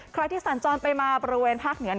ใครที่สัญจรไปมาบริเวณภาคเหนือ